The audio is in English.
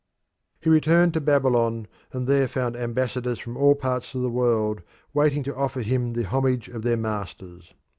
He returned to Babylon, and there found ambassadors from all parts of the world waiting to offer him the homage of their masters.